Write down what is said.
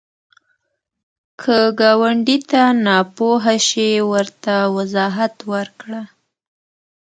که ګاونډي ته ناپوهه شي، ورته وضاحت ورکړه